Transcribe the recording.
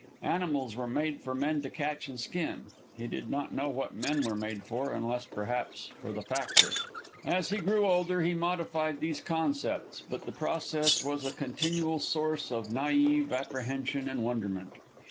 Animals were made for men to catch and skin. He did not know what men were made for, unless, perhaps, for the factor. As he grew older he modified these concepts, but the process was a continual source of naive apprehension and wonderment.